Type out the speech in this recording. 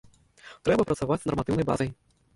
Трэба працаваць з нарматыўнай базай.